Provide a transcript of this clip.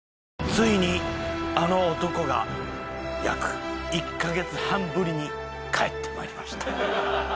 ついにあの男が約１カ月半ぶりに帰ってまいりました。